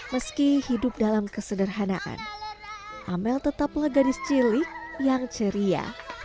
meski hidup dalam kesederhanaan amel tetaplah gadis cilik yang ceria